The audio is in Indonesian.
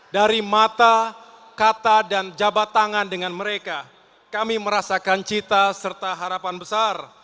dari mata kata dan jabat tangan dengan mereka kami merasakan cita serta harapan besar